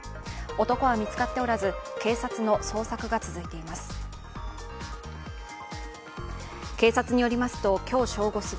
男は見つかっておらず警察の捜索が続いています。